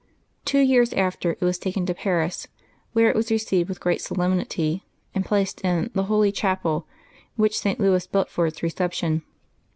Two years after, it was taken to Paris, where it was received with great solemnity and placed in the Holy Chapel, which St. Louis built for its reception.